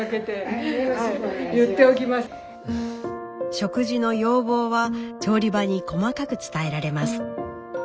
食事の要望は調理場に細かく伝えられます。